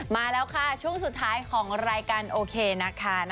มาแล้วค่ะช่วงสุดท้ายของรายการโอเคนะคะ